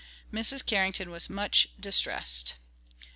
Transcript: Mrs. Carrington was much distressed.